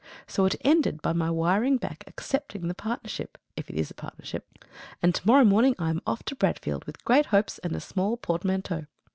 So it ended by my wiring back accepting the partnership if it is a partnership and to morrow morning I am off to Bradfield with great hopes and a small portmanteau.